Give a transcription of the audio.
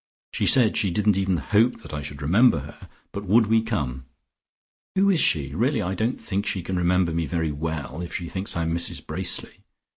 She said she didn't even hope that I should remember her, but would we come. Who is she? Really I don't think she can remember me very well, if she thinks I am Mrs Bracely.